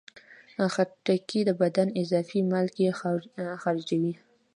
خټکی د بدن اضافي مالګې خارجوي.